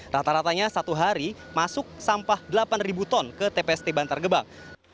rata ratanya satu hari masuk sampah delapan ton ke tpst bantar gebang